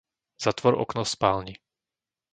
Zatvor okno v spálni.